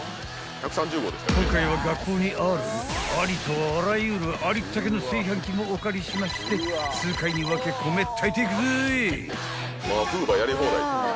［今回は学校にあるありとあらゆるありったけの炊飯器もお借りしまして数回に分け米炊いていくぜ！］